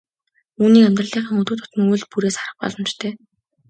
Үүнийг амьдралынхаа өдөр тутмын үйлдэл бүрээс харах боломжтой.